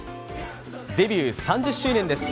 デビュー３０周年です。